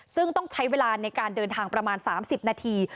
ซึ่งต้องใช้เวลาในการเดินทางประมาณ๓๐นาที